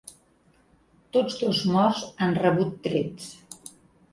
Tots dos morts han rebut trets.